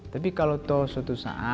tapi kalau tidak kita harus berusaha